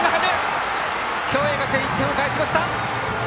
共栄学園、１点を返しました！